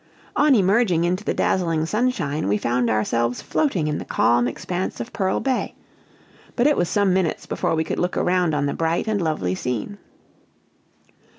On emerging into the dazzling sunshine, we found ourselves floating in the calm expanse of Pearl Bay; but it was some minutes before we could look around on the bright and lovely scene.